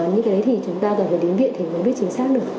như thế thì chúng ta cần phải đến viện để biết chính xác được